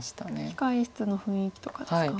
控え室の雰囲気とかですか？